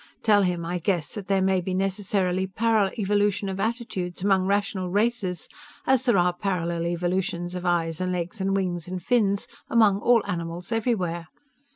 Tell him I guess that there may be necessarily parallel evolution of attitudes, among rational races, as there are parallel evolutions of eyes and legs and wings and fins among all animals everywhere!